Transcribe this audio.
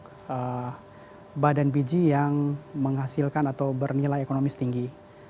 mencari tubuh biji yang menghasilkan atau bernilai ekonomis tinggi